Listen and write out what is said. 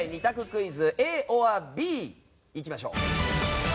クイズＡｏｒＢいきましょう。